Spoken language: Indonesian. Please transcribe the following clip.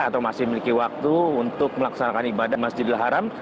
atau masih memiliki waktu untuk melaksanakan ibadah masjidil haram